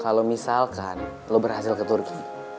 kalau misalkan lo berhasil ke turki